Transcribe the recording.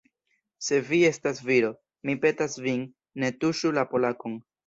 Se vi estas viro, Mi petas vin, ne tuŝu la pokalon!